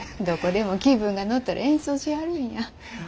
どこでも気分が乗ったら演奏しはるんや。